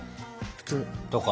普通。